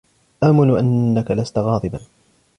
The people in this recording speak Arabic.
آمُل أنكَ لست غاضباً.